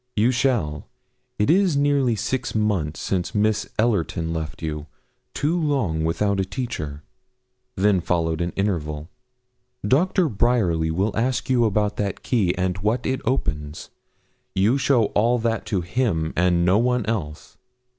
'You shall. It is nearly six months since Miss Ellerton left you too long without a teacher.' Then followed an interval. 'Dr. Bryerly will ask you about that key, and what it opens; you show all that to him, and no one else.'